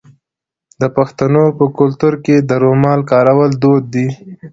د پښتنو په کلتور کې د رومال کارول دود دی.